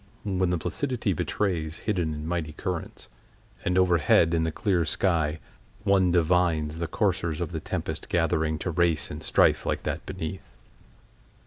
When the placidity betrays hidden and mighty currents, and overhead, in the clear sky, one divines the coursers of the tempest gathering to race in strife like that beneath.